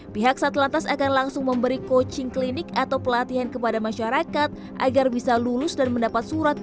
pihak sat lantas akan langsung memberi coaching klinik atau pelatihan kepada masyarakat agar bisa lulus dan mendapat surat